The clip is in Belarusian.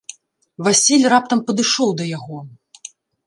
Васіль раптам падышоў да яго.